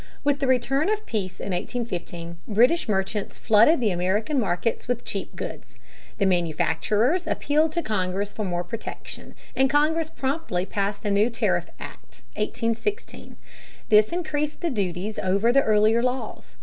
With the return of peace in 1815, British merchants flooded the American markets with cheap goods (p. 220). The manufacturers appealed to Congress for more protection, and Congress promptly passed a new tariff act (1816). This increased the duties over the earlier laws.